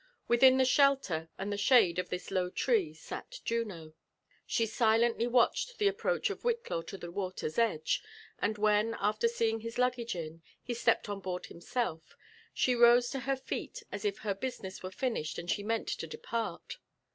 Within the shelter and the shade of this low tree sat Juno. She silently watched the approach of Whitlaw to the water's edge; and when, after seeing his luggage in» he stepped on board himself, she rose to her feet as if her business were finished and she meant to depart.